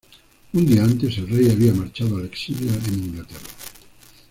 Un día antes, el rey había marchado al exilio en Inglaterra.